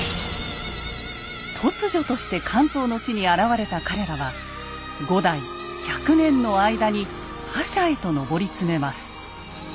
突如として関東の地に現れた彼らは５代１００年の間に覇者へと上り詰めます。